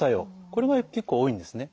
これが結構多いんですね。